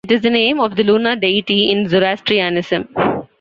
It is the name of the lunar deity in Zoroastrianism.